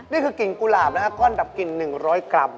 นี่คือกิ่งกุหลาบนะฮะก้อนดับกลิ่น๑๐๐กรัม